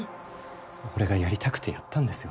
俺がやりたくてやったんですよ